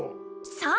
そう！